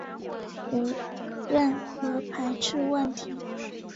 无任何排斥问题